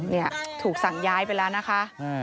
เนี่ยถูกสั่งย้ายไปแล้วนะคะ